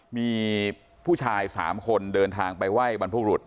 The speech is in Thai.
มีผู้ชาย๓คนเดินทางไปไหว้บรรพบุรุษ